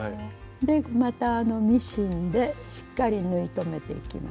でまたミシンでしっかり縫い留めていきます。